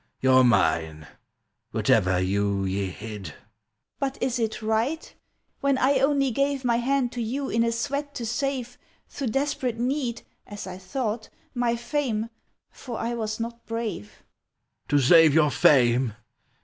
You're mine, whatever you ye hid!" "But is it right! When I only gave My hand to you in a sweat to save, Through desperate need (As I thought), my fame, for I was not brave!" "To save your fame?